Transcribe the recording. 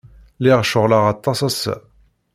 Lliɣ ceɣleɣ aṭas ass-a.